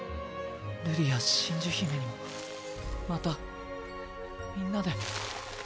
瑠璃や真珠姫にもまたみんなで。